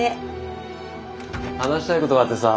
話したいことがあってさ。